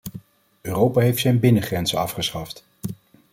Europa heeft zijn binnengrenzen afgeschaft.